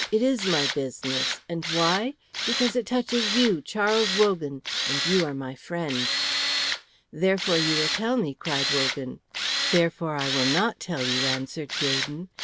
It is my business, and why? Because it touches you, Charles Wogan, and you are my friend." "Therefore you will tell me," cried Wogan. "Therefore I will not tell you," answered Gaydon.